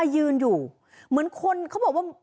ยืนอยู่เหมือนคนเขาบอกว่า